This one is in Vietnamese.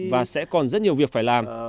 và sẽ còn rất nhiều việc phải làm